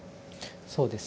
そうですね。